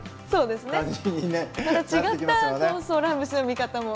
そうですね。